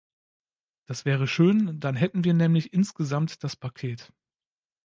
Das wäre schön, dann hätten wir nämlich insgesamt das Paket.